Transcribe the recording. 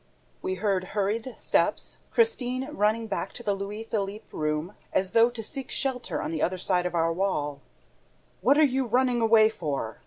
We heard hurried steps, Christine running back to the Louis Philippe room, as though to seek shelter on the other side of our wall. "What are you running away for?"